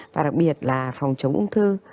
và đặc biệt là phòng chống ung thư